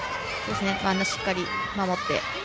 しっかり守って。